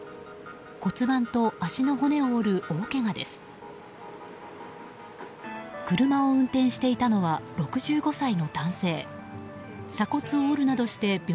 骨盤と足の骨を折る大けがです。